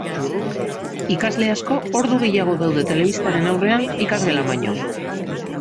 Ikasle asko ordu gehiago daude telebistaren aurrean ikasgelan baino.